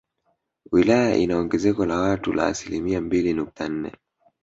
Wilaya ina ongezeko la watu la asilimia mbili nukta nne